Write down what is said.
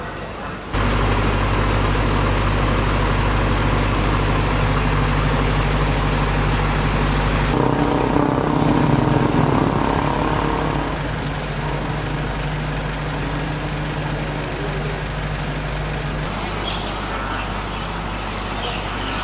สวัสดีครับทุกคน